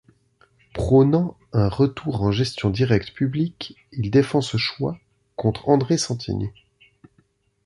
Prônant un retour en gestion directe publique, il défend ce choix contre André Santini.